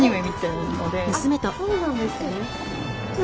あっそうなんですね。